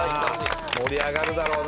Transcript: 盛り上がるだろうな。